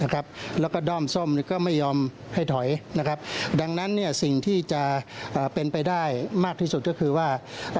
แล้วก็ด้อมส้มก็ไม่ยอมให้ถอยนะครับดังนั้นสิ่งที่จะเป็นไปได้มากที่สุดก็คือว่า